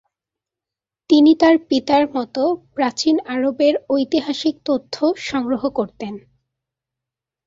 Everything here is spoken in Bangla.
তিনি তার পিতার মত প্রাচীন আরবের ঐতিহাসিক তথ্য সংগ্রহ করতেন।